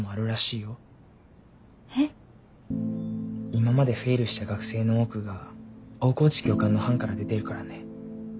今までフェイルした学生の多くが大河内教官の班から出ているからね。